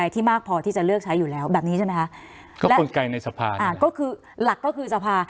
ที่มากพอที่จะเลือกใช้อยู่แล้วแบบนี้ใช่ไหมฮะก็คือหลักก็คือสภา